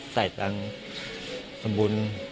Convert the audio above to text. ใส่จางั้นสมบล